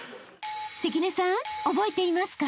［関根さん覚えていますか？］